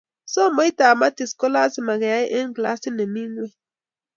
somoitab matis ko lasima keyai en klasit nemii ingweng